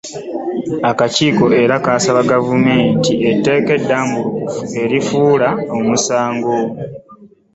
Akakiiko era kasaba Gavumenti okuyisa etteeka eddambulukufu, erifuula omusango.